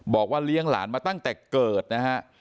บอกว่าเลี้ยงหลานมาตั้งแต่เกิดนะฮะ